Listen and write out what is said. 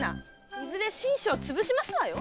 いずれ身上をつぶしますわよ。